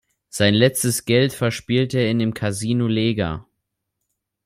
Sein letztes Geld verspielt er in dem Casino Leger.